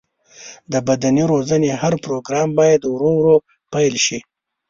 د بدني روزنې هر پروګرام باید ورو ورو پیل شي.